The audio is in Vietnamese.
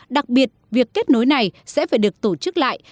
đặc biệt việc kết nối này sẽ phải được tổ chức lại